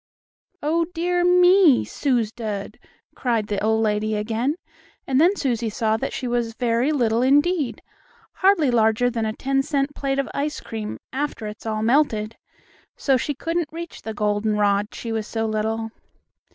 "Oh, dear me suz dud!" cried the old lady again, and then Susie saw that she was very little indeed, hardly larger than a ten cent plate of ice cream after it's all melted. So she couldn't reach the goldenrod, she was so little.